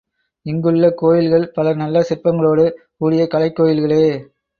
இங்குள்ள கோயில்கள் பல நல்ல சிற்பங்களோடு கூடிய கலைக் கோயில்களே.